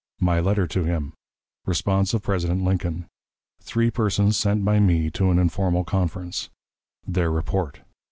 My Letter to him. Response of President Lincoln. Three Persons sent by me to an Informal Conference. Their Report.